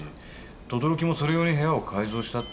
等々力も「それ用に部屋を改造した」って言ってたし。